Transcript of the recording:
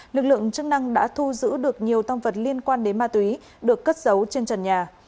lực lượng chức năng đã thu giữ được nhiều tăng vật liên quan đến ma túy được cất giấu trên trần nhà